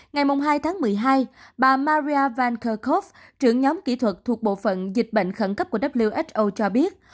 ngày hai tháng một mươi hai bà maria van kerkhove trưởng nhóm kỹ thuật thuộc bộ phận dịch bệnh khẩn cấp của wso cho biết